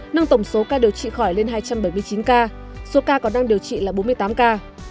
nâng tổng số ca điều trị khỏi lên hai trăm bảy mươi chín ca số ca còn đang điều trị là bốn mươi tám ca